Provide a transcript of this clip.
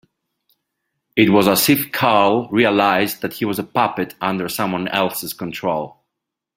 It was as if Carl realised that he was a puppet under someone else's control.